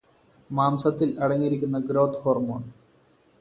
മാംസത്തിൽ അടങ്ങിയിരിക്കുന്ന growth hormone